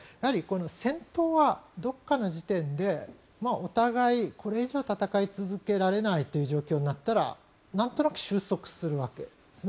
戦闘はどこかの時点でお互い、これ以上戦い続けられないという状況になったらなんとなく終息するわけです。